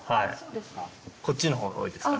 こっちのほうが多いですかね。